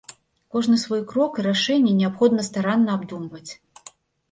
Кожны свой крок і рашэнне неабходна старанна абдумваць.